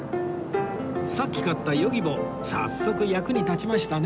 さっき買ったヨギボー早速役に立ちましたね